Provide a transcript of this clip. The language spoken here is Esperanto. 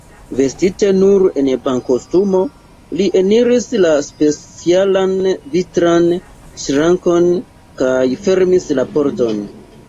Vestite nur en bankostumo, li eniris la specialan vitran ŝrankon, kaj fermis la pordon.